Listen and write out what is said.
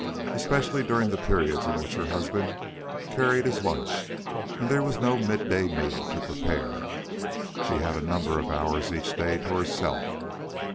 Especially during the periods in which her husband carried his lunch and there was no midday meal to prepare, she had a number of hours each day to herself.